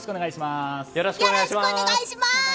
よろしくお願いします。